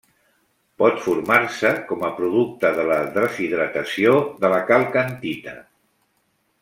Pot formar-se com a producte de la deshidratació de la calcantita.